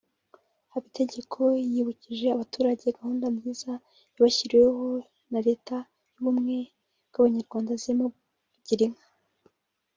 Habitegeko yibukije abaturage gahunda nziza bashyiriweho na Leta y’ubumwe bw’Abanyarwanda zirimo Girinka